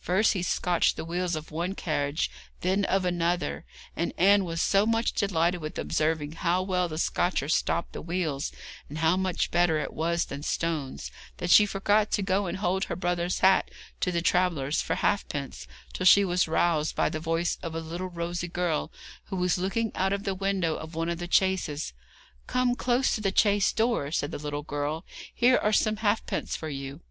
First he scotched the wheels of one carriage, then of another; and Anne was so much delighted with observing how well the scotcher stopped the wheels, and how much better it was than stones, that she forgot to go and hold her brother's hat to the travellers for halfpence, till she was roused by the voice of a little rosy girl who was looking out of the window of one of the chaises. 'Come close to the chaise door,' said the little girl; 'here are some halfpence for you.'